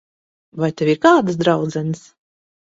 Vai tev ir kādas draudzenes?